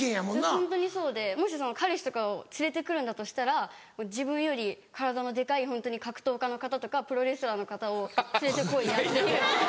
ホントにそうでもし彼氏とかを連れて来るんだとしたら自分より体のデカいホントに格闘家の方とかプロレスラーの方を連れて来いやって。